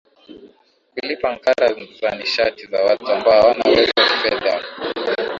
kulipa ankara za nishati za watu ambao hawana uwezo kifedha